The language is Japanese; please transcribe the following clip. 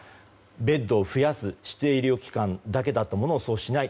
ベッドを増やす指定医療機関だけだったものをそうしない。